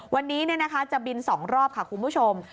วันนี้จะบิน๒รอบค่ะคุณผู้ชม